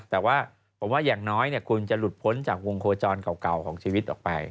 แต่ว่าผมว่าอย่างน้อยคุณจะหลุดพ้นจากวงโคจรเก่าของชีวิตออกไป